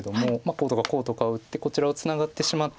こうとかこうとか打ってこちらをツナがってしまって。